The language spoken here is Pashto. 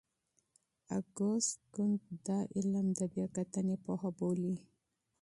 اګوست کُنت دا علم د بیا کتنې پوهه بولي.